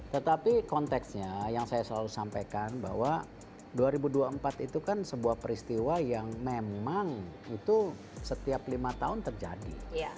tetapi konteksnya yang saya selalu sampaikan bahwa dua ribu dua puluh empat itu kan sebuah peristiwa yang memang itu setiap lima tahun terjadi